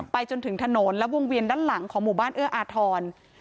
มาจนถนนและวงเวียนด้านหลังของเมืองเอื้ออธอน